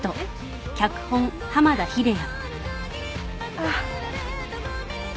あっ。